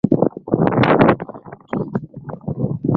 inafuatilia kwa kina huko nchini libya